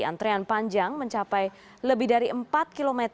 antrean panjang mencapai lebih dari empat km